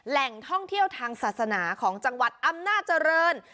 แหล่งท่องเที่ยวทางศาสนาของจังหวัดอำนาจริง